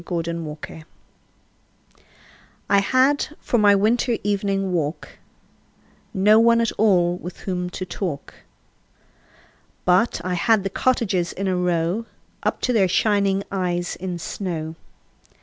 Good Hours I HAD for my winter evening walk No one at all with whom to talk, But I had the cottages in a row Up to their shining eyes in snow.